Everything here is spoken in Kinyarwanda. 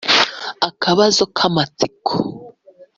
Akabazo k’amatsiko